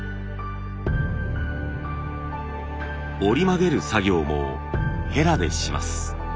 折り曲げる作業もヘラでします。